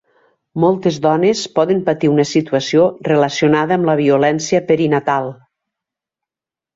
Moltes dones poden patir una situació relacionada amb la violència perinatal.